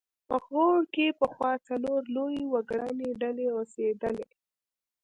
په غور کې پخوا څلور لویې وګړنۍ ډلې اوسېدلې